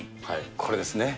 これですね。